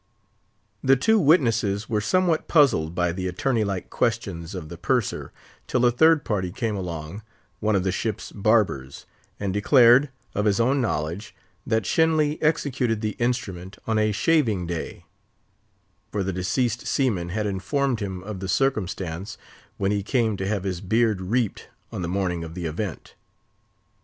The two witnesses were somewhat puzzled by the attorney like questions of the Purser, till a third party came along, one of the ship's barbers, and declared, of his own knowledge, that Shenly executed the instrument on a Shaving Day; for the deceased seaman had informed him of the circumstance, when he came to have his beard reaped on the morning of the event.